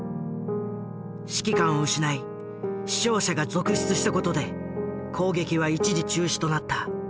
指揮官を失い死傷者が続出した事で攻撃は一時中止となった。